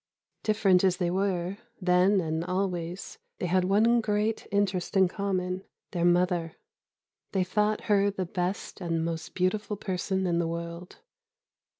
Different as they were, then and always, they had one great interest in common: their mother. They thought her the best and most beautiful person in the world.